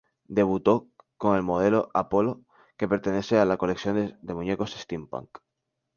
Debutó con el modelo "Apollo", que pertenece a la colección de muñecos Steampunk.